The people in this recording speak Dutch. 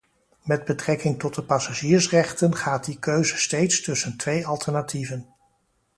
Met betrekking tot de passagiersrechten gaat die keuze steeds tussen twee alternatieven.